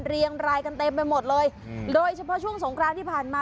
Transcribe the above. เรียงรายกันเต็มไปหมดเลยโดยเฉพาะช่วงสงครานที่ผ่านมา